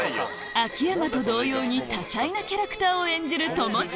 秋山と同様に多彩なキャラクターを演じる友近